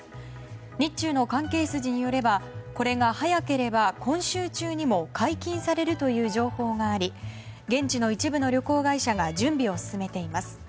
日中の関係筋によればこれが早ければ今週中にも解禁されるという情報があり現地の一部の旅行会社が準備を進めています。